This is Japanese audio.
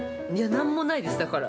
◆何もないです、だから。